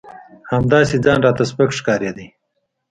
همداسې ځان راته سپک ښکارېده.